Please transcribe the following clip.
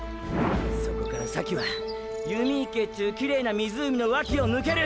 そこから先は弓池っちゅうキレーな湖の脇をぬける。